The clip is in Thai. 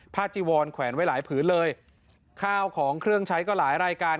จีวอนแขวนไว้หลายผืนเลยข้าวของเครื่องใช้ก็หลายรายการ